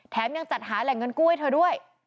ยังจัดหาแหล่งเงินกู้ให้เธอด้วย